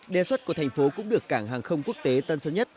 đề xuất của thành phố cũng được cảng hàng không quốc tế tân sơn nhất